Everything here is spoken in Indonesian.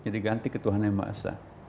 jadi ganti ketuhanan yang maksa